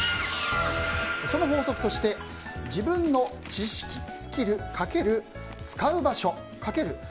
その法則として自分の知識スキルかける使う場所かける